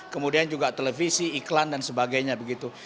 kemudian juga televisi iklan dan sebagainya begitu